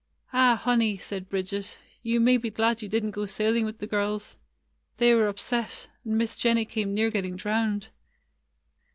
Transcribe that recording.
"Ah! honey," said Bridget, "you may be glad you did n't go sailing with the girls. They were upset, and Miss Jennie came near getting drowned."